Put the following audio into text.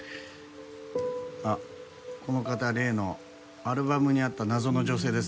あっこの方例のアルバムにあった謎の女性ですね。